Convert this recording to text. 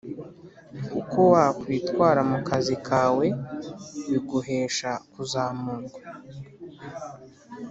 uko wakwitwara mu kazi kawe biguhesha kuzamurwa